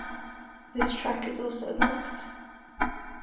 This track is also "locked".